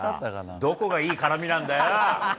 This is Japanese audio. どこがいい絡みなんだよ！なぁ？